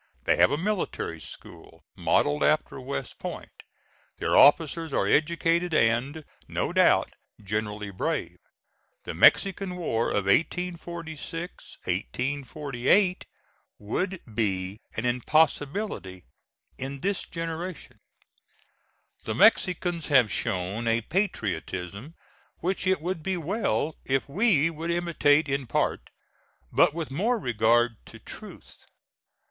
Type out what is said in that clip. They have a military school modelled after West Point. Their officers are educated and, no doubt, generally brave. The Mexican war of 1846 8 would be an impossibility in this generation. The Mexicans have shown a patriotism which it would be well if we would imitate in part, but with more regard to truth.